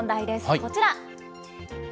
こちら。